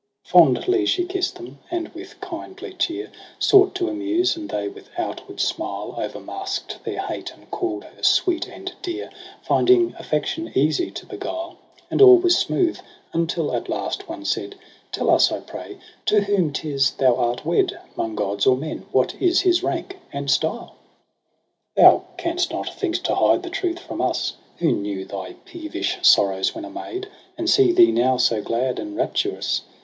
Fondly she kiss'd them, and with kindly cheer Sought to amuse j and they with outward smile O'ermask'd their hate, and called her sweet and dear, Finding aflfection easy to beguile : And all was smooth, until at last one said ' Tell us, I pray, to whom 'tis thou art wed ; 'Mong gods or men, what is his rank and style ?' Thou canst not think to hide the truth from us. Who knew thy peevish sorrows when a maid, And see thee now so glad and rapturous.